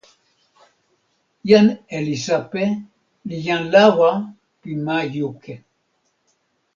jan Elisape li jan lawa pi ma Juke.